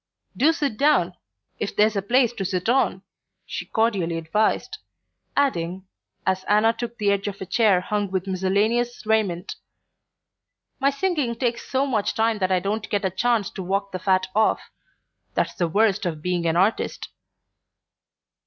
"Do sit down, if there's a place to sit on," she cordially advised; adding, as Anna took the edge of a chair hung with miscellaneous raiment: "My singing takes so much time that I don't get a chance to walk the fat off that's the worst of being an artist."